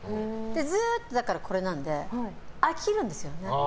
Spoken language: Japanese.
ずっとこれなので飽きるんですよね。